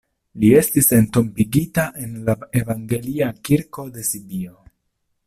Li estis entombigita en la evangelia kirko de Sibio.